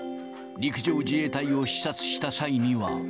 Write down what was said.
陸上自衛隊を視察した際には。